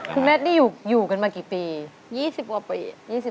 คุณแม่นี่อยู่กันมากี่ปี